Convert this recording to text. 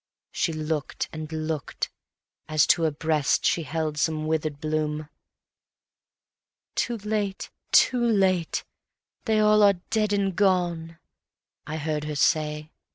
She looked and looked, as to her breast she held some withered bloom; "Too late! Too late! ... they all are dead and gone," I heard her say.